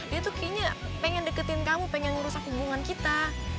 dia tuh kayaknya pengen deketin kamu pengen merusak hubungan kita